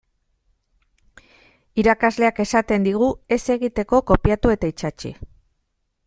Irakasleak esaten digu ez egiteko kopiatu eta itsatsi.